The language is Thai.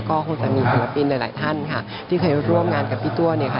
ก็คงจะมีศิลปินหลายหลายท่านค่ะที่เคยร่วมงานกับพี่ตัวเนี่ยค่ะ